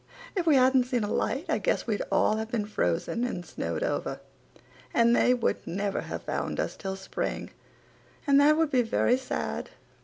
If we hadn't seen a light I guess we'd all have been frozen and snowed over, and they would never have found us till spring and that would be very sad.